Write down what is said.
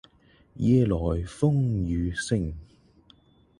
夜來風雨聲